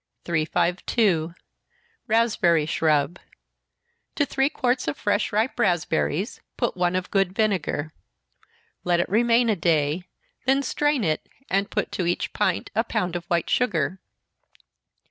352. Raspberry Shrub. To three quarts of fresh, ripe raspberries, put one of good vinegar. Let it remain a day then strain it, and put to each pint a pound of white sugar.